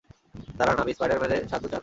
দাঁড়ান, আপনি স্পাইডার-ম্যানের সাহায্য চান?